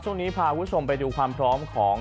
ช่วงนี้พาคุณผู้ชมไปดูความพร้อมของ